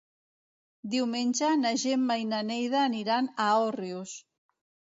Diumenge na Gemma i na Neida aniran a Òrrius.